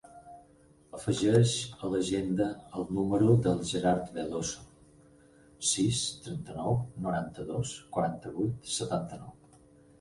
Afegeix a l'agenda el número del Gerard Veloso: sis, trenta-nou, noranta-dos, quaranta-vuit, setanta-nou.